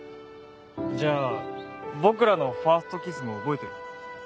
じゃあ僕らのファーストキスも覚えてる？